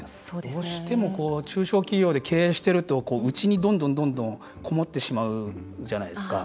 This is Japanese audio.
どうしても中小企業で経営していると、内にどんどんこもってしまうじゃないですか。